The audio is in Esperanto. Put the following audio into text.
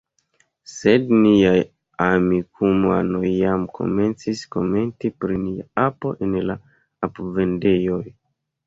Sed niaj Amikumu-anoj jam komencis komenti pri nia apo en la ap-vendejoj.